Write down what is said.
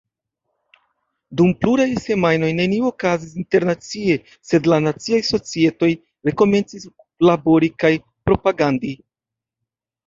Dum pluraj semajnoj nenio okazis internacie, sed la naciaj societoj rekomencis labori kaj propagandi.